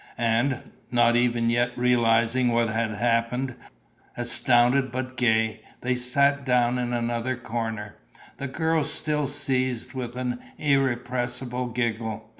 And, not even yet realizing what had happened, astounded but gay, they sat down in another corner, the girls still seized with an irrepressible giggle.